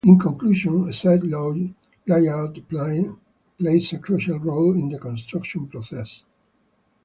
In conclusion, a site layout plan plays a crucial role in the construction process.